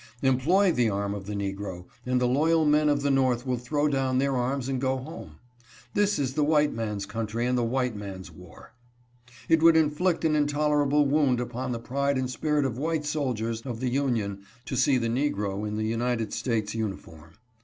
" Employ the arm of the negro, and the loyal men of the North will throw down their arms and go home." " This is the white man's country and the white man's war." " It would inflict an intolerable wound upon the pride and spirit of white soldiers of the Union to see the negro in the United States uniform.